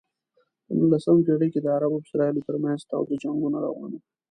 په نولسمه پېړۍ کې د عربو او اسرائیلو ترمنځ تاوده جنګونه روان و.